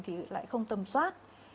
thì lại không tầm soát